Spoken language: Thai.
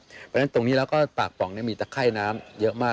เพราะฉะนั้นตรงนี้แล้วก็ปากป่องมีตะไข้น้ำเยอะมาก